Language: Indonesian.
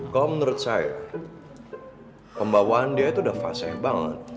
kalau menurut saya pembawaan dia itu udah fase banget